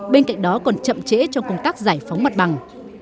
bên cạnh đó còn chậm trễ trong công tác giải phóng mặt bằng